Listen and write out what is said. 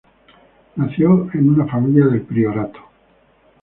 Nació en una familia del Priorato.